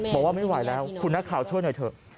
บอกว่าไม่ไหวแล้วคุณนักข่าวช่วยหน่อยเถอะ